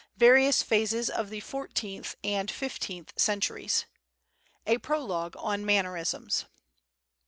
VARIOUS PHASES OF THE FOURTEENTH AND FIFTEENTH CENTURIES. A Prologue on Mannerisms.